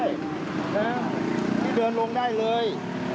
นะครับมันเดินลงได้เลย